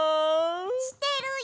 してるよ！